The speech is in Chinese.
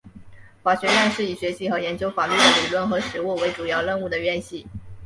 法学院是以学习和研究法律的理论和实务为主要任务的院系。